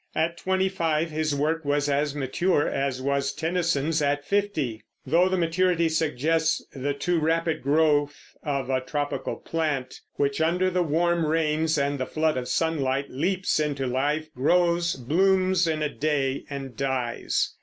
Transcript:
At twenty five his work was as mature as was Tennyson's at fifty, though the maturity suggests the too rapid growth of a tropical plant which under the warm rains and the flood of sunlight leaps into life, grows, blooms in a day, and dies.